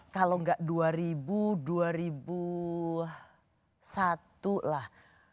kalau nggak dua ribu dua ribu satu lah